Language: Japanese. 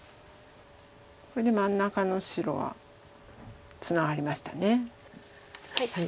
これで真ん中の白はツナがりました。